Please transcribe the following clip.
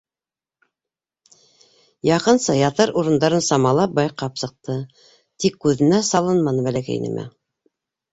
Яҡынса ятыр урындарын самалап байҡап сыҡты, тик күҙенә салынманы бәләкәй нәмә.